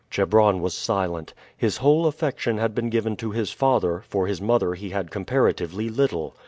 Chebron was silent. His whole affection had been given to his father, for his mother he had comparatively little.